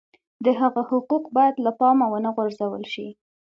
د هغه حقوق باید له پامه ونه غورځول شي.